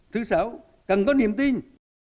thứ sáu cần có niềm tin